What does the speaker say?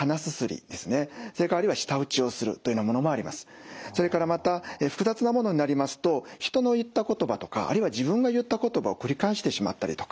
単純なものではそれからまた複雑なものになりますと人の言った言葉とかあるいは自分が言った言葉を繰り返してしまったりとか。